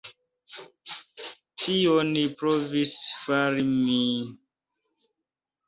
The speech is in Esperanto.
Tion provis fari mi.